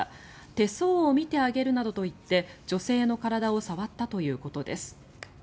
手相を見てあげるなどと言って女性の体を触ったということです。